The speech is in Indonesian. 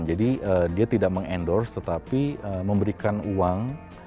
jadi dia tidak meng endorse tetapi memberikan uang